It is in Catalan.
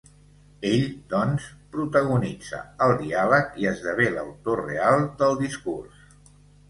Ell, doncs, protagonitza el diàleg i esdevé l'autor real del discurs.